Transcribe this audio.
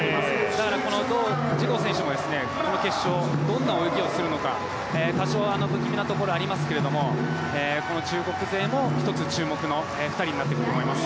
だから、ドウ・シゴウ選手もこの決勝でどんな泳ぎをするのか多少不気味なところはありますが中国勢も１つ注目の２人になってきます。